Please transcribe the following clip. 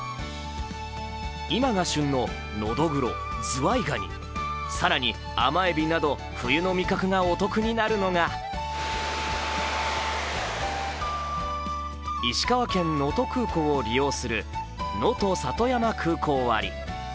今が旬ののどぐろズワイガニ、更に甘えびなど冬の味覚がお得になるのが石川県能登空港を利用するのと里山空港割。